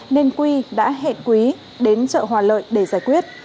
nên quy đã hẹn quý đến chợ hòa lợi để giải quyết